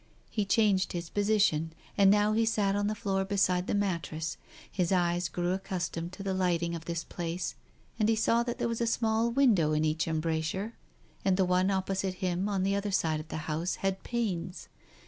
He changed his position, and now he sat on the floor beside the mattress. His eyes grew accustomed to the lighting of this place and he saw that there was a small window in each embrasure, and the one opposite him on the other side of the house had panes.